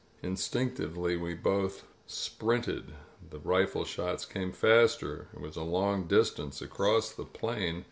'' Instinctively we both sprinted. The rifle shots came faster. It was a long distance across the plain.